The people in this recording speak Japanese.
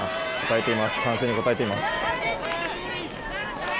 歓声に応えています。